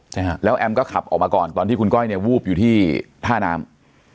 ใช่ฮะแล้วแอมก็ขับออกมาก่อนตอนที่คุณก้อยเนี่ยวูบอยู่ที่ท่าน้ำ